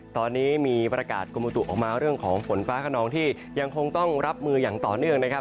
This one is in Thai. ตอนนี้มีประกาศกรมอุตุออกมาเรื่องของฝนฟ้าขนองที่ยังคงต้องรับมืออย่างต่อเนื่องนะครับ